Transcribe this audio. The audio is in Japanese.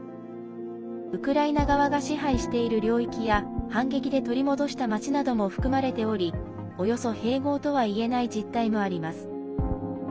ウクライナ側が支配している領域や反撃で取り戻した町なども含まれておりおよそ併合とはいえない実態もあります。